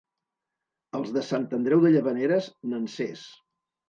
Els de Sant Andreu de Llavaneres, nansers.